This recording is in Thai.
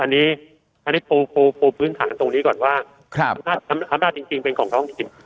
อันนี้ปูพื้นฐานตรงนี้ก่อนว่าอำนาจจริงเป็นของเขาจริง